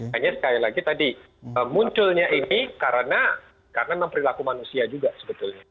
hanya sekali lagi tadi munculnya ini karena memang perilaku manusia juga sebetulnya